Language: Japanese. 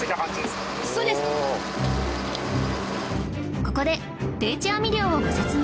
ここで定置網漁をご説明